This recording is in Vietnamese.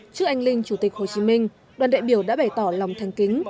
trước anh linh chủ tịch hồ chí minh đoàn đại biểu đã bày tỏ lòng thành kính